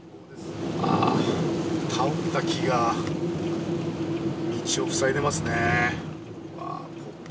ああ、倒れた木が、道を塞いでますね。